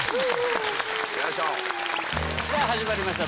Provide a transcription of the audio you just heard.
さあ始まりました